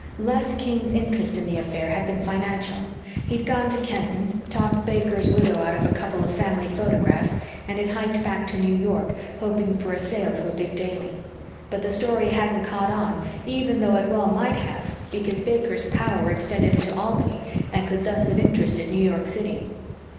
Les King's interest in the affair had been financial. He'd gone to Kenton, talked Baker's widow out of a couple of family photographs, and had hiked back to New York, hoping for a sale to a big daily. But the story hadn't caught on even though it well might have, because Baker's power extended into Albany and could thus have interested New York City.